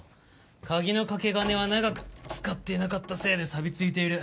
鍵のかけ金は長く使っていなかったせいでさびついている。